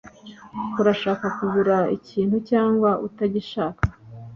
Urashaka kugura ikintu cyangwa utagishaka